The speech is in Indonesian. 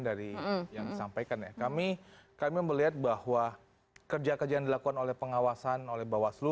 dari yang disampaikan ya kami kami melihat bahwa kerja kerja yang dilakukan oleh pengawasan oleh bawaslu